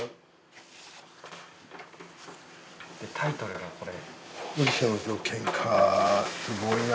タイトルがこれ。